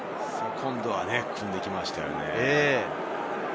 今度は組んでいきましたね。